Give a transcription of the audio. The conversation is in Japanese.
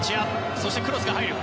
そして、クロスが入る。